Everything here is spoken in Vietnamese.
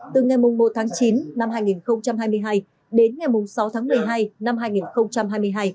từ ngày một tháng chín năm hai nghìn hai mươi hai đến ngày sáu tháng một mươi hai năm hai nghìn hai mươi hai